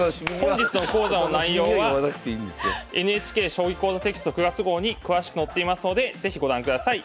本日の講座の内容はＮＨＫ「将棋講座」テキスト９月号に詳しく載っていますので是非ご覧ください。